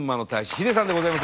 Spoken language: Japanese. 秀さんでございます。